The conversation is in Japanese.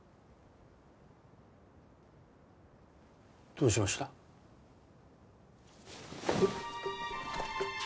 どうしました？えっ。